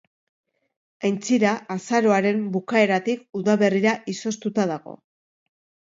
Aintzira azaroaren bukaeratik udaberrira izoztuta dago.